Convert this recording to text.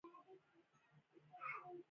د اوبو ولاړېدل د موټرو د ښوئیدو لامل کیږي